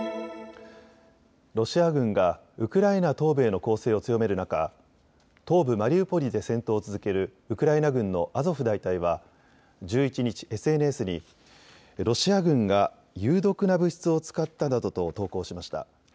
ロシア軍がウクライナ東部への攻勢を強める中、東部マリウポリで戦闘を続けるウクライナ軍のアゾフ大隊は１１日、ＳＮＳにロシア軍が有毒な物質を使ったなどと投稿しました。